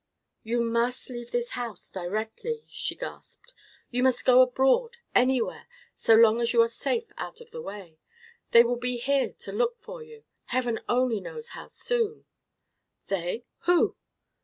"You must leave this house directly!" she gasped. "You must go abroad, anywhere, so long as you are safe out of the way. They will be here to look for you—Heaven only knows how soon!" "They! Who?